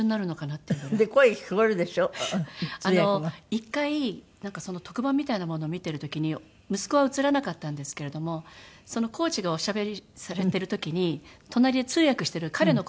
１回特番みたいなものを見てる時に息子は映らなかったんですけれどもそのコーチがおしゃべりされてる時に隣で通訳してる彼の声が聞こえたんですよ。